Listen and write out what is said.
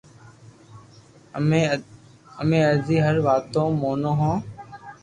امي ائري ھر واتو مونو ھون